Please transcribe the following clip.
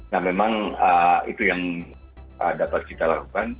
nah memang itu yang dapat kita lakukan